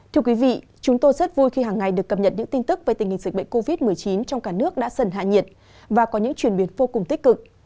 thưa quý vị chúng tôi rất vui khi hàng ngày được cập nhật những tin tức về tình hình dịch bệnh covid một mươi chín trong cả nước đã dần hạ nhiệt và có những chuyển biến vô cùng tích cực